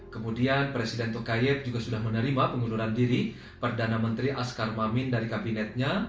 kemudian presiden tokayet juga sudah menerima pengunduran diri perdana menteri askar mamin dari kabinetnya